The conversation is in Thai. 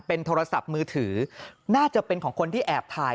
เป็นโทรศัพท์มือถือน่าจะเป็นของคนที่แอบถ่าย